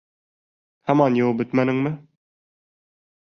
Һаман йыуып бөтмәнеңме?